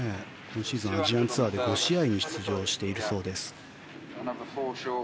アジアンツアーで５試合に出場しているそうです。